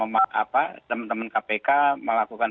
teman teman kpk melakukan